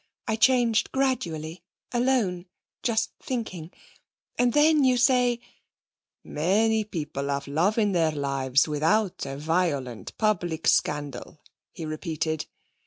I changed gradually, alone, just thinking. And then you say ' 'Many people have love in their lives without a violent public scandal,' he repeated.